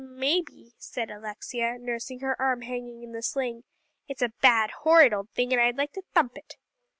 "Um maybe," said Alexia, nursing her arm hanging in the sling; "it's a bad, horrid old thing, and I'd like to thump it."